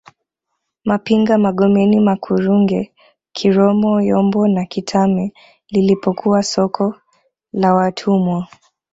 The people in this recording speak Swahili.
Mapinga Magomeni Makurunge Kiromo Yombo na Kitame lilipokuwa soko la watumwa